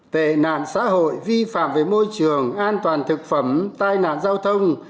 tệ nạn xã hội vi phạm về môi trường an toàn thực phẩm tai nạn giao thông